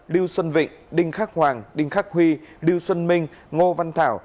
lưu xuân vịnh đinh khắc hoàng đinh khắc huy lưu xuân minh ngô văn thảo